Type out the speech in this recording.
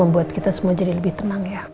bikin jantung aku jadi deg degan gini